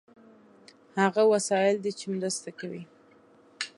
هغه وسایل دي چې مرسته کوي.